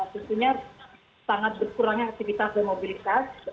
tentunya sangat berkurangnya aktivitas dan mobilitas